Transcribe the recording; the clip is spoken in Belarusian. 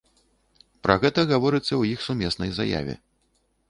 Пра гэта гаворыцца ў іх сумеснай заяве.